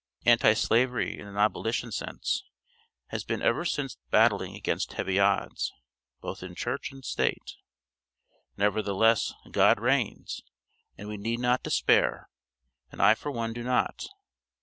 Anti slavery in an abolition sense, has been ever since battling against heavy odds, both in Church and State. Nevertheless, God reigns, and we need not despair, and I for one do not.